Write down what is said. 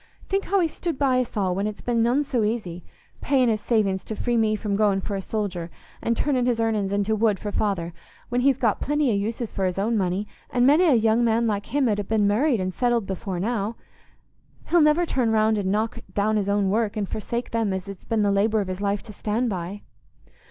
Think how he's stood by us all when it's been none so easy—paying his savings to free me from going for a soldier, an' turnin' his earnin's into wood for father, when he's got plenty o' uses for his money, and many a young man like him 'ud ha' been married and settled before now. He'll never turn round and knock down his own work, and forsake them as it's been the labour of his life to stand by."